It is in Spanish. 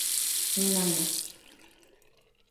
Un año